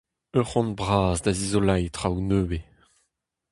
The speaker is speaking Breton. Ur c'hoant bras da zizoleiñ traoù nevez !